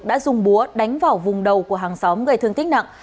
đã dùng búa đánh vào vùng đầu của hàng xóm gây thương tích nặng